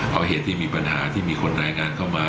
เพราะเหตุที่มีปัญหาที่มีคนรายงานเข้ามา